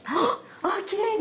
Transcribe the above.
あきれいに。